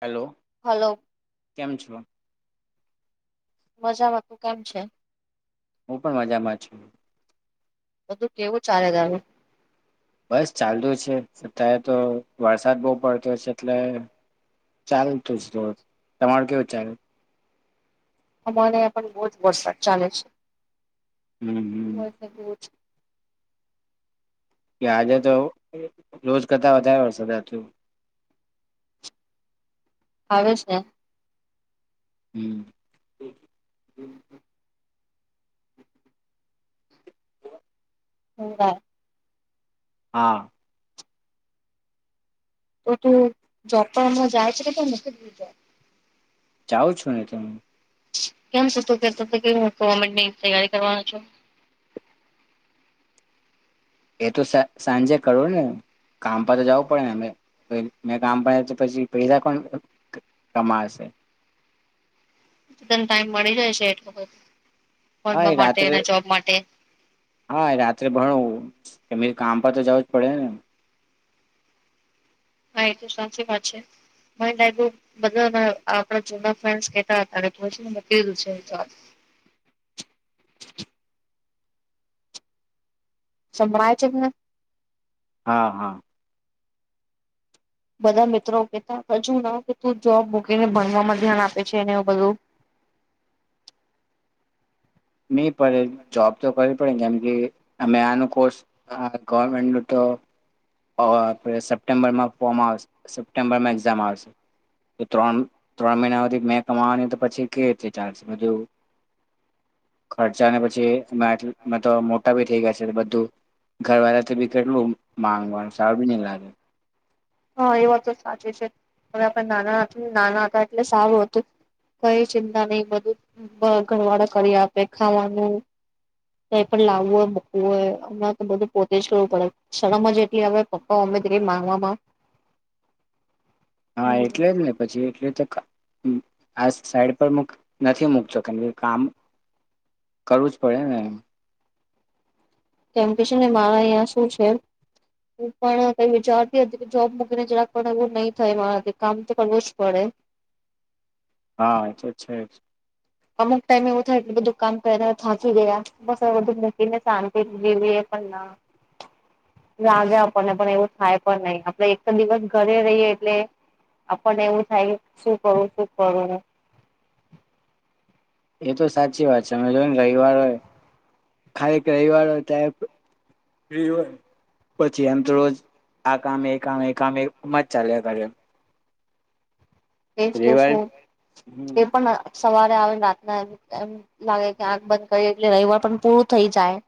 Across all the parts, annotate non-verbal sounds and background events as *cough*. Hello hello કેમ છો મજામાં, તું કેમ છે હું, પણ મજામાં છું બધું કેવું ચાલે રાહે બસ ચાલતું છે, અત્યારે તો વરસાદ બહુ પડતો છે એટલે ચાલ તુ છે, તમારું કેવું ચલે અમારે ત્યાં પણ બહુજ વરસાદ ચાલે છે હમ હમ *unintelligible* કે આજે તો રોજ કરતા વધારે વરસાદ હતું આવે છે હમ *unintelligible* *unintelligible* હા તો તું જોબ પણ અમના જાય છે કે તે મૂકી દીધી જોબ જાઉં છું ને એટલે હુ કેમ છ તું કેતો કે હું ગવર્મેન્ટ ની તૈયારી કરવાનું છું એ તો સા સાંજે કરો ને કામ પર તો જવું પડે ને અમે, મેં કામ પા પછી પૈહા *unintelligible* કમાશે. ન ટાઈમ મળી જાય છે એટ વખત હા એ રાત્રે *inaudible* માટે હા રાત્રે ભણ કે કામ પર તો જવું જ પડે ને. હા એ તો સાચી વાત છે. બધા આપડા જૂના ફ્રેન્ કેતા હતાનેકીધું શળ છે એમને હા હા. બધા મિત્રો કેતા હજુ ના કે તું જોબ મૂકીને ભણવામાં ધ્યાન આપે છે એને બધું નહી પડે જોબ તો કરવી પડેને કેમ કે અમે આનું કોર્સ હા ગવર્મેન્ટ તો આપ સપ્ટેમ્બરમાં ફોર્મ આવશે સપ્ટેમ્બરમાં એક્ઝામ આવશે. ત્રણ ત્રણ મહિનાથી મેં કમાવાની તો પછી કે રી ચાલ બધું ખર્ચા ને પછી મ મોટા ભી થઈ ગયા છે બધું ઘરવાળા થી બી કેટલું માંગવાનું સારું બી નહી લાગે હા એ વાત તો સાચી છે હવે નાના નાના હતા એટલે સારું હતું. કઈ ચિંતા નહી બધું ઘરવાળા કરી આપે ખાવાનું ક પણ લાવવું હોય મૂકવું હોય હમણાં તો બધું પોતે જ કરવું પડે શણમમાં જેટલી આવે અપા ઉમે દ મામા હા એટલે જ ને. પછી એટલે તો આ સાઈડ પર નથી મકતો કે કે કામ કરવું જ પડે ને એમ કેમ કે છે ને મારા અહં શું છે. હું પણ કઈ વિચારતી હતી કે જોબ મૂકીને જરાક પણ એવું નહી થાય મારા કામ તો કરવું જ પડે. હા છે. અમુક ટાઈઇમવ થાય એટલેધ દુકાન પ એ થાં ગયા. બસ વધધું મકી ને ચતી લવી એ પણ ના લ્યા આપને પણ એવું થાય પણ નહીિ આપડે એક તો દિવસ ઘરે રહીએ એટલે આપને એવું થાય કે શું કરું શું કરું. એ તો સાચી વાત છે અમે જો ને રવિવાર હોય ખાલી એક રવવાર હો હોય પછી એમ તો રોજ આ કામ એ કામ એ કામમ જ ચાલ્યા કરે એમ એ જ તો રવિવાર શ તે પણ સવારે આવે ને રાતના એમ એમ લાગે કે આગ બંધ કરી એટલે રવિવાર પણ પૂરું થઈ જાય.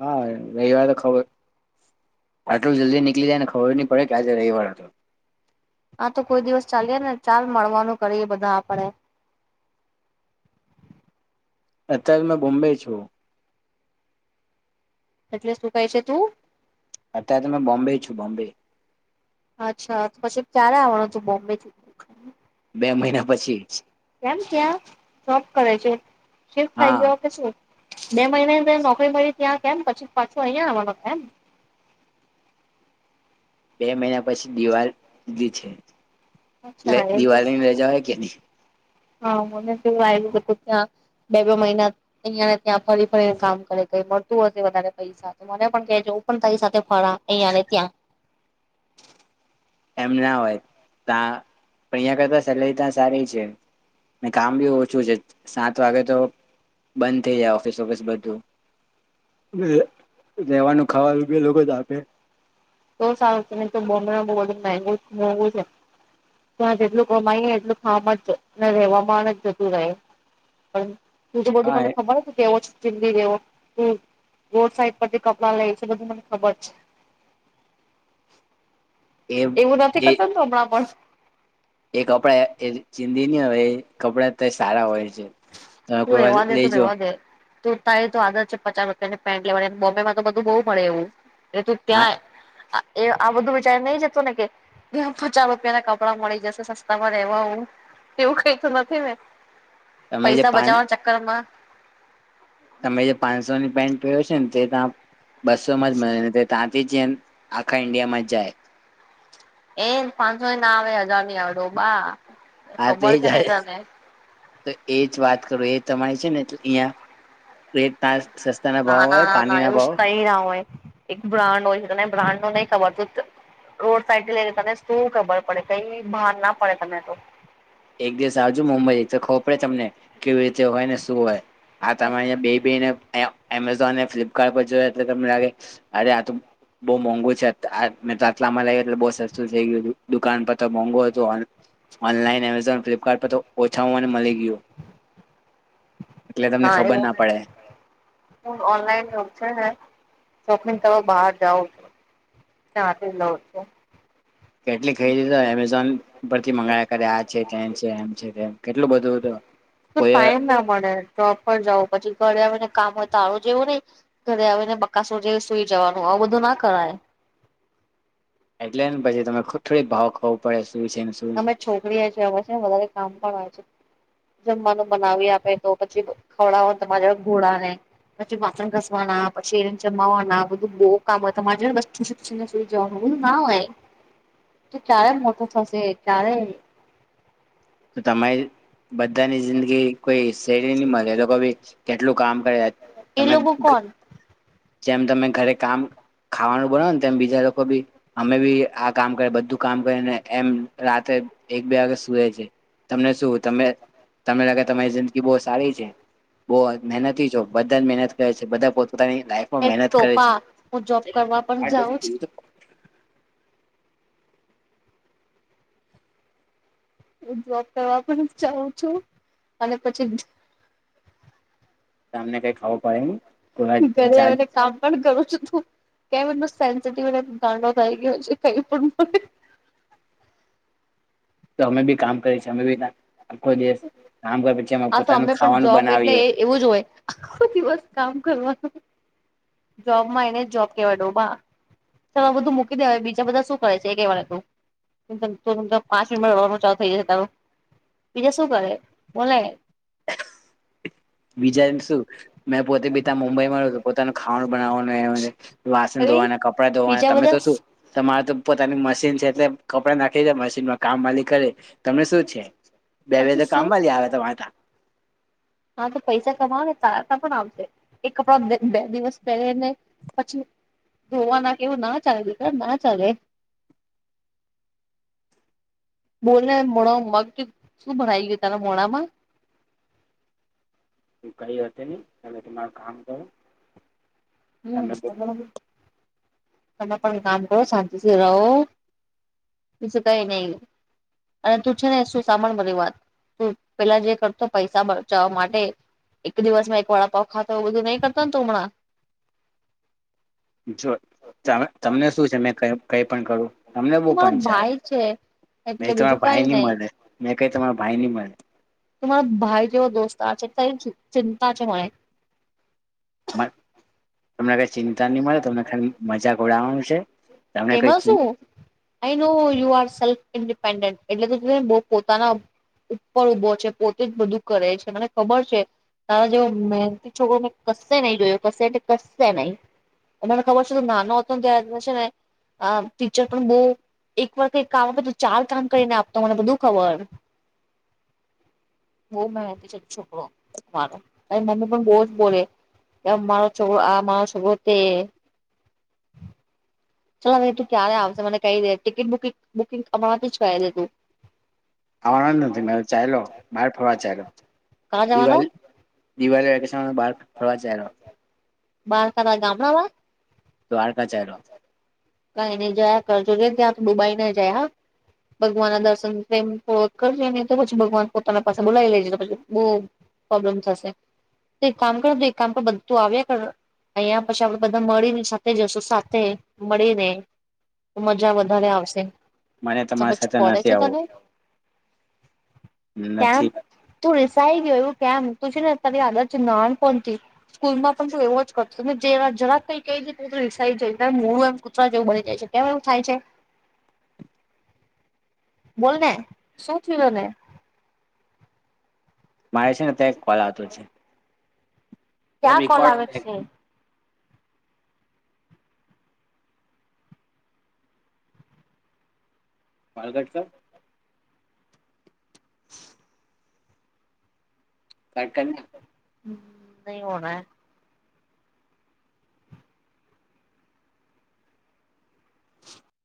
હા રઈવાર ખબર.. આટલું જલ્દી નીક્ળી જાયને ખબર નહી પડે કે આજે રવિવાર હતો. આ તો કોઈ દિવસ ચાલીય ને ચાલ મળવાનું કરીએ બધા આપડે. અત્યારે મેં બોમ્બઈ છું. એટલે શું કહે છે તું? અત્યારે બોમ્બે છો બોમ્બે. અચ્છા તો પછી ક્યારે આવનો તું બોમ્બેથી? બે મહિના પછી કેમ ત્યાં જોબ કરે છે શફ્ટ થઈ હા ગયો કે શું? બે મહિનાની પહી નોકરી મળી ત્યાં કેમ પછી પાછો અહીંયા આવાનો એમ? બે મહિના પછી દિવાલી *inaudible* છે એટલે અચ્છા એવું દિવાલની રજા હોય કે ની હા મને કેવું આવ્યું છે ત્યાં બે બે મહિના અઇયા ને ત્યાં ફરી ફરી કામ કરે મળતું હશે વધારે પૈસા તો મને પણ ત્યા જવું પણ તારી સાથે ફરા અહીયાંને ત્યાં એમ ના હોય ત્યા પણ અહીયા કરતા સેલેરી ત્યા સારી છે. ને કામ બી ઓછું છે સાત વાગે તો બંધ થઈ જાય ઓફિસ ઓફિસ બધું રહેેવાનું ખાવાનું જે લોકો જ આપે. તો સારું તને તો બોમ *unintelligible* *unintelligible* મગું મોઘું છે ત્યાં જેટલું કમાઈ એટલું ખવામાં ને રહેવામા જ જતું રહે. પણ તું તો બધું હા મને ખબર હતું કેવો જ ચીલી જેવો રોડ સાઈડ પરથી કપડાં લઈશ એ બધું મને ખબર છે. એ એવું નથી એ કરતો ન તુ હમણાં પણ એ કપડા એ ચિંધી નહી હોય એ કપડા અત્યારે તોય સારા હોય છે. તમે કોઈ વાર લઈજો તુ તારી તો આદત છે પચાસ રૂપિયાની પેન્ટ લેવાનીને બોમ્બેમાં તો બધું બહુ મળે એવું એ તુ હા ત્યાં આ એ આ બધું વિચારી નઈ જતો ને કે પચાસ રૂપિયા ના કપડા મળી જશે સસ્તામાં રહેેવા હું એવું કઈ તો નથી ને તમે ત જે પાન બચાવવાન ચક્કરમાં તમે જે પાંચસોની પેન્ટ પેર્યો છેને, તે તા બસોમાં જ મળ્યોને તે તા તે જેમ આખા ઈન્ડિયા માં જાય. એ પાંચસો ના આવે હજાર ની આવે ડો બા આ તો ખબર એ કે નઈ જાય તને તો એ જ વાત કરો એ તમારી છે ને ઈયા ના હોય ના ના પાણી એવું જ ભાવ કઈ ના હોય. એક બ્રાન્ડ હોય છે, તને બ્રાન્ડ નહી ખબર રોડ સાઈડ થી લઈને તને શું ખબર પડે કઈ બાર ના પડે તને તો એક દિવસ આવજુ મુંબઈ તો ખોપરેે તમને કેવી રીતે હોય ને શું હોય. હા તમારે અયા બે બેને અયા એમેઝોન અને ફ્લિપકાર્ટ પર જોએ એટલે તમને લાગે અરે આ તો બહુ મોંઘુ છે, આ મેં આટલામાં લાઈવું એટલે બઉ સસ્તું થઇ ગયું હતું દુકાન પર તો મોંઘું હતુ, ઓનલાઈન *unintelligible* ફ્લિપકાર્ટ પર તો ઓછામાં અને મળી ગયુ. નારે ખબર ના પડે હ ઓનલાઈન યોગ છે ને શોપીંગ બહાર જાઉં છુ. *unintelligible* કેટલી ખરીદી એમેઝોન પરથી મંગાવ્યા કરે આ છે તે છે એમ છે, તેમ કેટલું બધું હતું તો *unintelligible* ના મળે જોબ પર જાવ પછી ઘરે આવે ને કામ હોય તારું જેવું નહી. ઘરે આવી ને બકાસું જેવું સુઈ જવાનું આવું બધું ના કરાય એટલેને પછી તમે થોડી ભાવ ખબર પડે શું છે ન સુ અમે છોકરીએ છે અ છે ને વધારે કામ પણ આવેય છે. જમવાનું બનાવી આપે તો પછી ખવડાાવઓ તમારા ઘોડા ને પછી વાસણ ઘસવાના પછી એ જમાવાના બધું બહુ કામ હોય તો મા ને સુી જવાનું બું ના હોય. *inaudible* તો ચારે મોટો થશે ચારે તો તમારે બધાની જિંદગી કોઈ શડી ન મળે લોકો ભ કેટલું કામ કરે એ તમે લોકો કોણ જેમ તમે ઘરે કામ ખાવાનું બનાવો ને તેમ બીજા લોકો બી અમે બી આ કામ કર બધું કામ કરીને એમ રાતે એક બે વાગે સુએ છે તમને શું તમે તમને લાગે તમારી જિંદગી બહુ સારી છે બોહ મહેનતથી જો બધા જ મહેનત કરે છે બધા પોતાની લાઈફમાં મહેનત કરે છે હા હું જોબ કરવા પણ જાઉં છુ હ જોબ કરવા પણ જાઉું છું અને પછી સામને કઈ ખવા પડ ન બરિયા બધ કામ પણ ઘણું છ તું કેમ એ સેન્સટ દાંડો થઈ ગયો છે ક પણ તો અમે ભી કામ કરે છીએ અમે ખુદ કામ કર પ છે. આ તો અમે પણ જોબ એટલે એવું જ હોય આખો દિવસ કામ કરવાનુ જોબમાં એ જ જોબ કેવાડો બા ચાલ આ બધું મૂકી દેવાય બીજા બધા શું કરે છે એ કેહ મને તું *unintelligible* પાંચ મિનટમાં રડવાનું ચાલુ થઈ જશે તારું બીજા શુ કરે ઓલીય બીજા એમ શું મેં પોતે બી તો મુંબઈ માં રેવ પોતાનું ખાવાનું બનાવાનું એ આવે વાસન ધોવાના કપડા ધોવાના બીજા તમે તો બધા શું તમારે તો પોતાની મશીન છે તે કપડા નાખી દ મશીનમાં કામ વાલી કરે તમને શું છે બે બે પછી તો કામ શું વાલી આવે તમારતા હા તો પૈસા કમાવો ને તારતા પણ આવશે એ કપડા બે દિવસ પહેલેને પછી ધોવા ના કે એવું ના ચાલે દીકર ના ચાલે બોલ ને મોણામા મગ શું ભણઈ ગયો તારા મોણા માં તું કઈ હશે નહી તમે તમાર કામ કર હમમે તમે પણ કામ કરો શાંતિથી રહો બીજુ કઈ નઈ અને તું છે ને શું સાભળ મારી વાત તું પેલા જે કરતો પૈસા બચાવવા માટે એક દિવસ માં એક વાડા પોઅ ખાતો તો એવ બધું નહીં કરતા તું હમના જો ત તમને શું છે મે કઈ પણ કરું તમને બો તું મારો પચાયત ભાઈ છે. મે એટલે બીજું તમારા કઈ ભાઈ ની નહી મળે મે કઈ તમારા ભાઈ ની મળે તુ મારો ભાઈ જેવો દોસ્તર છે ચિંતા છે મને *unintelligible* તમને કઈ ચિંતા નહી મળે તમને ખાલી મજાક ઉડવાનું છે તમને કઈ એમાં ચી શું I know you are self independent એટલે તું બો પોતાના ઉપર ઉભો છે પોતે જ બધું કરે છે મને ખબર છે તારા જેવો મહેનતી છોકરો મેં કશે નહી જોયો કશે એટલે કશે નહી તને ખબર છે તું નાનો હતો ને ત્યાં જે ને આ ટીચર પણ બોહ એક વાર કામ આપે ચાર કામ કરીને આપતો મને બધું ખબર *inaudible* બો મેહન્ટી છે છોકરો મારો મમ્મી પણ બો જ બોલે. આ મારો છોકરો આ મારો છગરો તે ચાલો હવે તું ક્યારે આવશે મને કઈ દે ટિકિટ બુકિંગ બુકિંગ અમણાથી જ કરાવી દે તું આવાનો જ નથી મેં તો ચાયલો બાર ફરવા ચાયલો. કા જવાનો દિવાળી દિવાળી વેકેશનમાં બહાર ફરવા ચાલ્યો. બાર ફરવા ગામડાંમાં? દ્વારકા ચાયલો. કંઈ ન‌ઇ જયા કરજે જોકે ક્યાંક ડુબાઈ ન જાય હા. ભગવાનના દર્શન પ્રેમપૂર્વક કરજે ને તો પછી ભગવાન પોતાના પાસે બોલાવી લેજે તો પછી બો પ્રોબ્લેમ થશે તો એક કામ કર તો એક કામ કર બધું આવ્યા કર અહીયા પછી આપડે બધા મળીને સાથે જશું સાથ્થે મળીને મજા વધારે આવશે. મને તમારા સમજ સાથે પડે નથી છે તને? આવવું નથી કેમ? તું રીસાઈ ગયો એવું કેમ? તું છેને તારી આદત છે નાનપણથી સ્કૂલમાં પણ તું એવો જ કરતોને જે જરાક કંઈ કેઈ તો તુ રિસાઈ જાય તારૂ મોડુ એમ કૂતરા જેવું બની જાય છે. કેમ એવું થાય છે? બોલને. શું થ્યુ તને? મારે છેને તે એક કોલ આવતો છે. ક્યાં કોલ રેકોર્ડ આવે છે માલઘટ ક દાંત કાઢને નહી હોરા